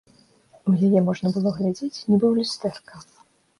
У яе можна было глядзець, нібы ў люстэрка.